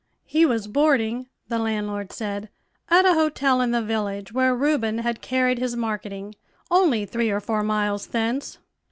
"He was boarding," the landlord said, "at a hotel in the village where Reuben had carried his marketing, only three or four miles thence."